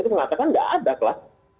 itu mengatakan nggak ada kluster